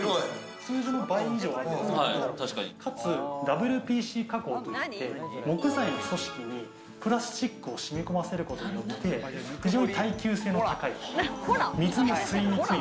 通常の倍以上あるかつ、ＷＰＣ加工と言って、木材の組織にプラスチックを染み込ませることによって、非常に耐久性の高い、水も吸いにくい。